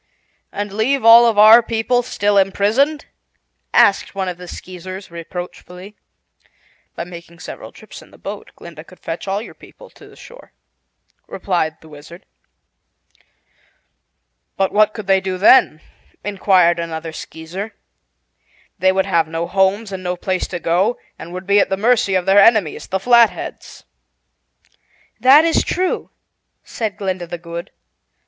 "And leave all of our people still imprisoned?" asked one of the Skeezers reproachfully. "By making several trips in the boat, Glinda could fetch all your people to the shore," replied the Wizard. "But what could they do then?" inquired another Skeezer. "They would have no homes and no place to go, and would be at the mercy of their enemies, the Flatheads." "That is true," said Glinda the Good.